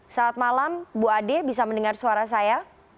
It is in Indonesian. selamat malam bu ade bisa mendengar suara saya